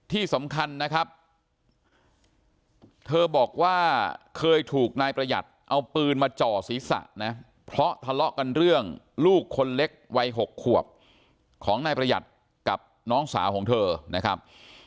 ที่สำคัญนะครับเธอบอกว่าเคยถูกนายประหยัดเอาปืนมาจ่อศีรษะนะเพราะทะเลาะกันเรื่องลูกคนเล็กวัย๖ขวบของนายประหยัดกับน้องสาวของเธอนะครับ